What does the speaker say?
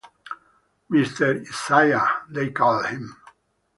Mr. Isaiah, they called him.